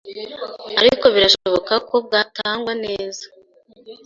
ariko birashoboka ko bwatangwa neza